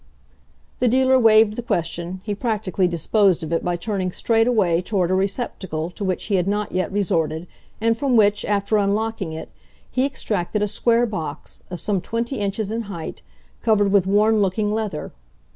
The dealer waived the question he practically disposed of it by turning straightway toward a receptacle to which he had not yet resorted and from which, after unlocking it, he extracted a square box, of some twenty inches in height, covered with worn looking leather.